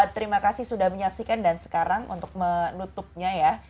terima kasih sudah menyaksikan dan sekarang untuk menutupnya ya